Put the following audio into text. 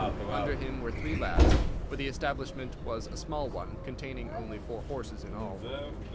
Under him were three lads; for the establishment was a small one, containing only four horses in all.